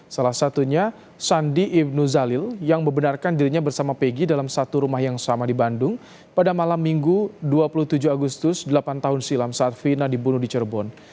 salah satunya sandi ibnu zalil yang membenarkan dirinya bersama pegi dalam satu rumah yang sama di bandung pada malam minggu dua puluh tujuh agustus delapan tahun silam saat fina dibunuh di cirebon